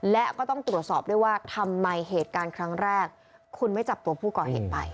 และก็ต้องตรวจสอบด้วยว่าทำไมเหตุการณ์ครั้งแรกคุณไม่จับตัวผู้ก่อเหตุไป